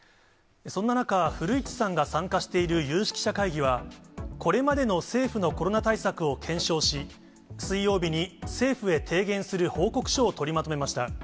そんな中、古市さんが参加している有識者会議は、これまでの政府のコロナ対策を検証し、水曜日に政府へ提言する報告書を取りまとめました。